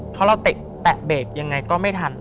เพราะเราแตะเบรกยังไงก็ไม่ทัน